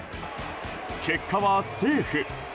結果はセーフ。